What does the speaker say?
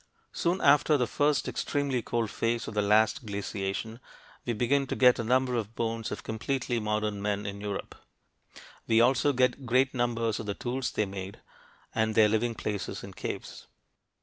Soon after the first extremely cold phase of the last glaciation, we begin to get a number of bones of completely modern men in Europe. We also get great numbers of the tools they made, and their living places in caves.